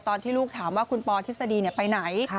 ตอนที่ลูกถามว่าคุณปอทฤษฎีไปไหน